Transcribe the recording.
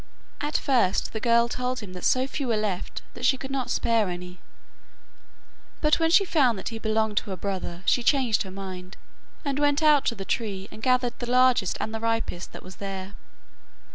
At first the girl told him that so few were left that she could not spare any; but when she found that he belonged to her brother, she changed her mind, and went out to the tree and gathered the largest and the ripest that was there.